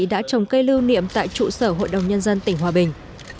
đã trồng cây lưu niệm tại trụ sở hội đồng nhân dân tỉnh hòa bình